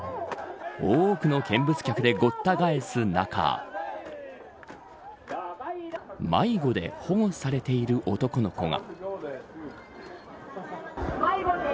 多くの見物客でごった返す中迷子で保護されている男の子が。